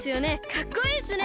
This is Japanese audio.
かっこいいっすね！